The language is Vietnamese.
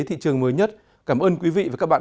thị trường mới nhất cảm ơn quý vị và các bạn